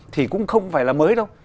thì cũng không phải là mới đâu